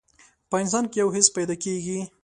په انسان کې يو حس پيدا کېږي.